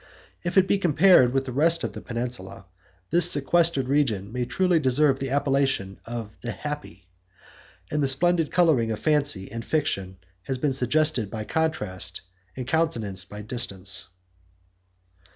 If it be compared with the rest of the peninsula, this sequestered region may truly deserve the appellation of the happy; and the splendid coloring of fancy and fiction has been suggested by contrast, and countenanced by distance.